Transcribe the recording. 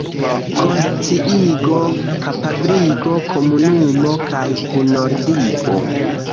konsciigo, kapabligo, komunumo kaj kunordigo.